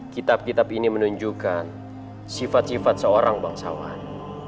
kitab kitab ini menunjukkan sifat sifat seorang bangsawan